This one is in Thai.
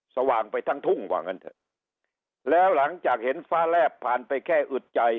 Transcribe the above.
สว่างไปทั้งทุ่งว่างั้นเถอะแล้วหลังจากเห็นฟ้าแลบผ่านไปแค่อึดใจ